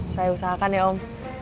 saya usahakan ya om